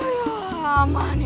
ya allah aman